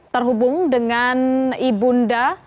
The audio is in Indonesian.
terhubung dengan ibunda